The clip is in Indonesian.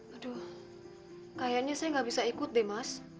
aduh kayaknya saya nggak bisa ikut deh mas